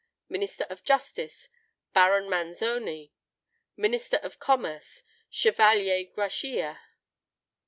Minister of Justice, BARON MANZONI. Minister of Commerce, CHEVALIER GRACHIA.'"